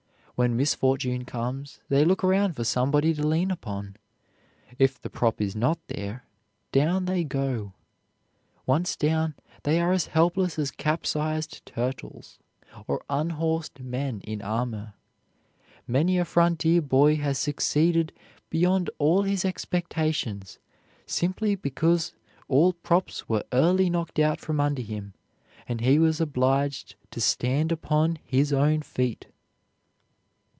When misfortune comes, they look around for somebody to lean upon. It the prop is not there, down they go. Once down, they are as helpless as capsized turtles, or unhorsed men in armor. Many a frontier boy has succeeded beyond all his expectations simply because all props were early knocked out from under him and he was obliged to stand upon his own feet.